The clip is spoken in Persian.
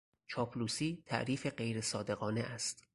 چاپلوسی تعریف غیرصادقانه است.